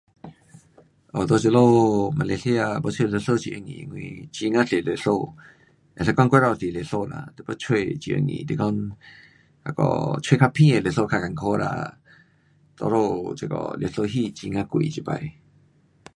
um 在这里马来西亚我觉得历史很容易。因为很呀多历史，可以讲过头多历史啦，你要找很容易，是讲那个找较便的历史较好啦，多数这个历史戏，很呀贵。这次。